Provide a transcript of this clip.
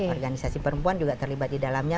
organisasi perempuan juga terlibat di dalamnya